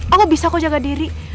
aku bisa kau jaga diri